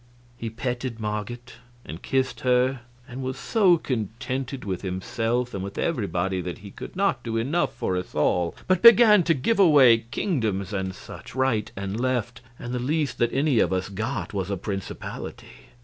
He petted Marget and kissed her, and was so contented with himself and with everybody that he could not do enough for us all, but began to give away kingdoms and such things right and left, and the least that any of us got was a principality.